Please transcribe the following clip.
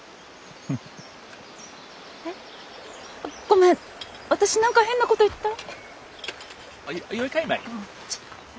ごめん私何か変なこと言った？